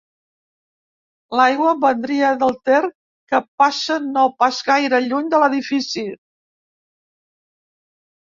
L'aigua vindria del Ter, que passa no pas gaire lluny de l'edifici.